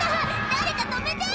誰か止めて！」